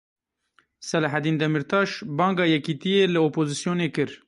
Selahedîn Demirtaş banga yekitiyê li opozîsyonê kir.